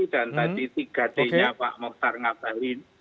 dan tadi tiga d nya pak mokhtar ngabdalin